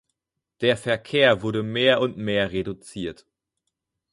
Der Verkehr wurde mehr und mehr reduziert.